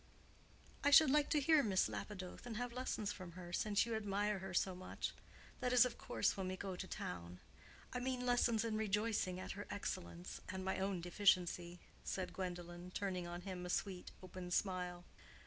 "I should like to hear Miss Lapidoth and have lessons from her, since you admire her so much—that is, of course, when we go to town. I mean lessons in rejoicing at her excellence and my own deficiency," said Gwendolen, turning on him a sweet, open smile.